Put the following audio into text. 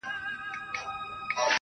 سپوږمۍ په لپه کي هغې په تماسه راوړې~